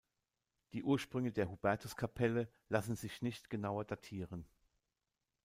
Die Ursprünge der Hubertuskapelle lassen sich nicht genauer datieren.